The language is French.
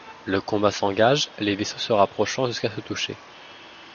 Le combat s'engage, les vaisseaux se rapprochant jusqu'à se toucher.